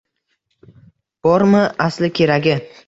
Bormi asli keragi